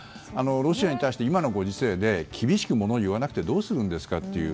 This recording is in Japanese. ロシアに対して今のご時世で厳しく、ものを言わなくてどうするんですかという。